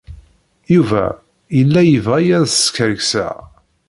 Yuba yella yebɣa-iyi ad skerkseɣ.